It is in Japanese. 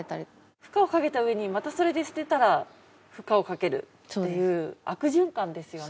負荷をかけたうえにまたそれを捨てたら、負荷をかけるという、そういう悪循環ですよね。